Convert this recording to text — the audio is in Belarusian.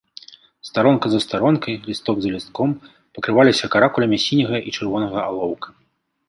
Старонка за старонкай, лісток за лістком пакрываліся каракулямі сіняга і чырвонага алоўка.